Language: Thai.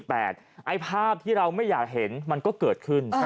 ไอ้ภาพที่เราไม่อยากเห็นมันก็เกิดขึ้น